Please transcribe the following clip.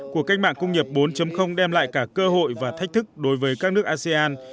cuộc cách mạng công nghiệp bốn đem lại cả cơ hội và thách thức đối với các nước asean